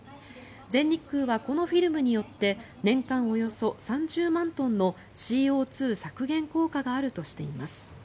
全日空はこのフィルムによって年間およそ３０万トンのＣＯ２削減効果があるとしています。